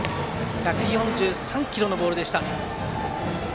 １４３キロのボールでした。